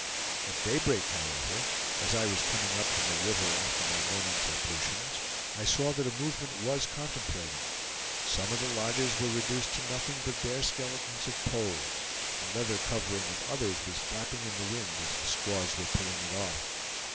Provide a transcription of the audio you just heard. At daybreak, however, as I was coming up from the river after my morning's ablutions, I saw that a movement was contemplated. Some of the lodges were reduced to nothing but bare skeletons of poles; the leather covering of others was flapping in the wind as the squaws were pulling it off.